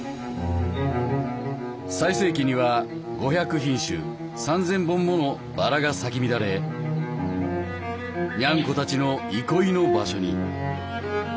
最盛期には５００品種３，０００本ものバラが咲き乱れニャンコたちの憩いの場所に。